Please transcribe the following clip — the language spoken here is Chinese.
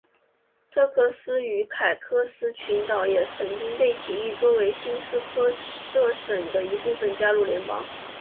特克斯与凯科斯群岛也曾经被提议作为新斯科舍省的一部分加入联邦。